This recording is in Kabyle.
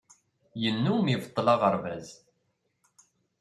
Yennum ibeṭṭel aɣerbaz.